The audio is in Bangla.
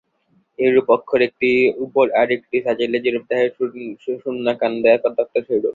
এইরূপ অক্ষর, একটির উপর আর একটি সাজাইলে যেরূপ দেখায়, সুষুম্নাকাণ্ড কতকটা সেইরূপ।